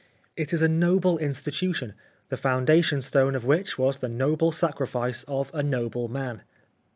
It is a noble institution, the foundation stone of which was the noble sacrifice of a noble man.